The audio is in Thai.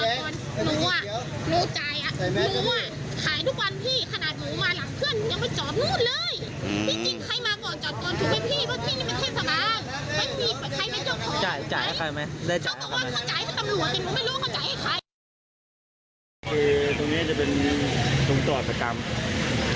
ผมจะเป็นจงจอดประจำ